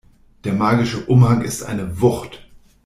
Der magische Umhang ist eine Wucht!